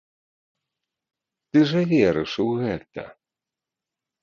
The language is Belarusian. Ты жа верыш у гэта!